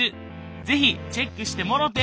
是非チェックしてもろて！